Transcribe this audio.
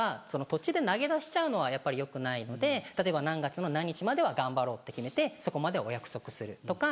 途中で投げ出しちゃうのはやっぱりよくないので例えば何月の何日までは頑張ろうって決めてそこまでお約束するとか。